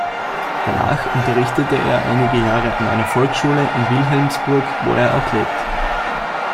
Danach unterrichtete er einige Jahre an einer Volksschule in Wilhelmsburg, wo er auch lebt.